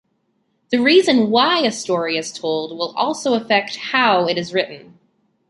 The reason why a story is told will also affect how it is written.